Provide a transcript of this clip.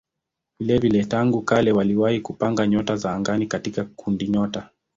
Vilevile tangu kale watu waliwahi kupanga nyota za angani katika kundinyota.